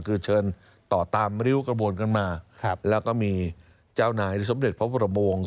คือเชิญต่อตามริ้วกระบวนกันมาแล้วก็มีเจ้านายสมเด็จพระบรมวงศ์